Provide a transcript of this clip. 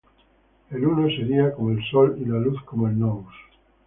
El Uno sería como el Sol y la Luz como el nous.